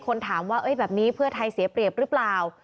คนถามว่าแบบนี้เพื่อไทยเสียเปรียบหรือเปล่า